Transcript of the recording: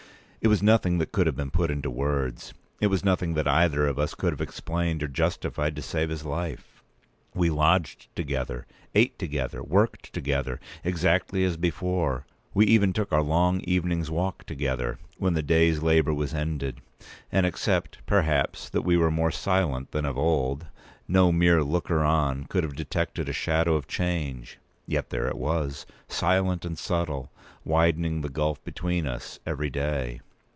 It was nothing that could have been put into words. It was nothing that either of us could have explained or justified, to save his life. We lodged together, ate together, worked together, exactly as before; we even took our long evening's walk together, when the day's labour was ended; and except, perhaps, that we were more silent than of old, no mere looker on could have detected a shadow of change. Yet there it was, silent and subtle, widening the gulf between us every day.